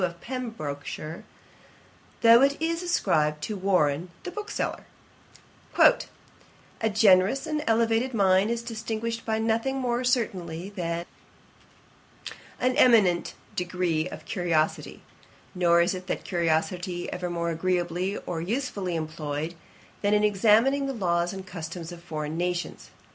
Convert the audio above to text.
of Pembrokeshire, though it is ascribed to Warren the bookseller: 'A generous and elevated mind is distinguished by nothing more certainly than an eminent degree of curiosity; nor is that curiosity ever more agreeably or usefully employed, than in examining the laws and customs of foreign nations.